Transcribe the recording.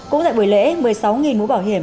cũng tại buổi lễ một mươi sáu mũ bảo hiểm